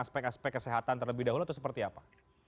aspek aspek kesehatan terlebih dahulu atau seperti apa